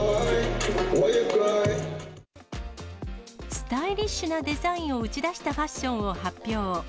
スタイリッシュなデザインを打ち出したファッションを発表。